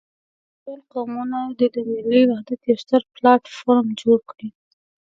ټول قومونه دې د ملي وحدت يو ستر پلاټ فورم جوړ کړي.